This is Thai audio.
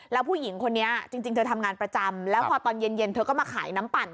แล้วผู้หญิงคนนี้จริงเธอทำงานประจำแล้วพอตอนเย็นเธอก็มาขายน้ำปั่น